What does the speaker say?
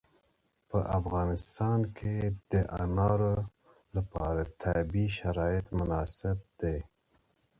په افغانستان کې د انار لپاره طبیعي شرایط مناسب دي.